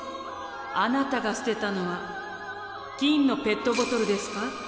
あなたが捨てたのは金のペットボトルですか？